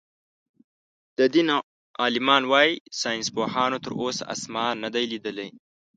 د دين عالمان وايي ساينسپوهانو تر اوسه آسمان نۀ دئ ليدلی.